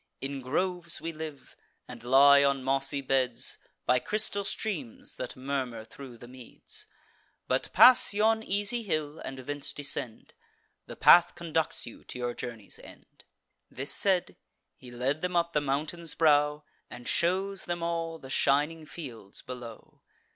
In groves we live, and lie on mossy beds, By crystal streams, that murmur thro' the meads: But pass yon easy hill, and thence descend; The path conducts you to your journey's end." This said, he led them up the mountain's brow, And shews them all the shining fields below.